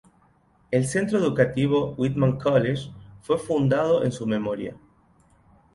El centro educativo Whitman College fue fundado en su memoria.